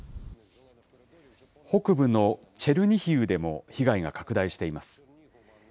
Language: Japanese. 北部のチェルニヒウでも、被害が拡大しています。